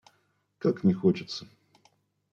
Как не хочется.